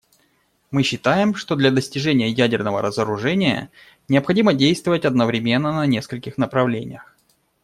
Мы считаем, что для достижения ядерного разоружения необходимо действовать одновременно на нескольких направлениях.